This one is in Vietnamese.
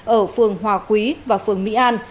ở phường hòa quý và phường mỹ an